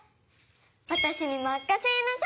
わたしにまかせなさい。